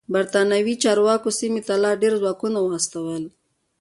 برېتانوي چارواکو سیمې ته لا ډېر ځواکونه واستول.